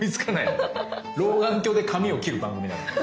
老眼鏡で紙を切る番組なの。